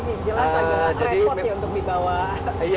jelas agar tidak repot ya untuk dibawa